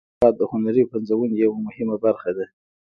محاکات د هنري پنځونې یوه مهمه برخه ده